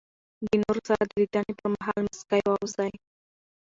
د نور سره د لیدني پر مهال مسکی واوسئ.